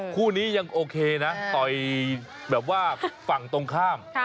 คู่นี้ยังโอเคนะต่อยแบบว่าฝั่งตรงข้าม